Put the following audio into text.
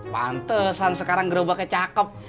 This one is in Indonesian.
pantesan sekarang gerobaknya cakep